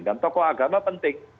dan tokoh agama penting